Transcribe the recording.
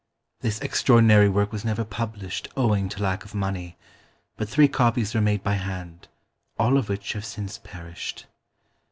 This extra ordinary work was never published owing to lack of money, but three copies were made by hand, all of which have since perished.